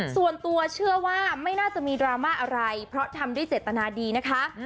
ส่วนตัวเชื่อว่าไม่น่าจะมีดราม่าอะไรเพราะทำด้วยเจตนาดีนะคะ